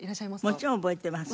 もちろん覚えてます。